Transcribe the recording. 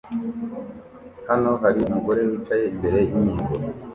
Hano hari umugore wicaye imbere yingingo